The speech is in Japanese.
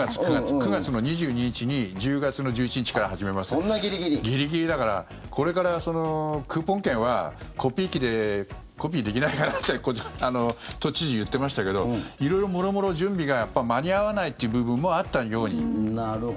９月の２２日に１０月１１日から始めますってギリギリだからこれからクーポン券はコピー機でコピーできないからって都知事、言ってましたけど色々、もろもろ準備が間に合わないという部分もあったように。